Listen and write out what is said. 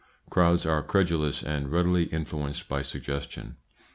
CROWDS ARE CREDULOUS AND READILY INFLUENCED BY SUGGESTION.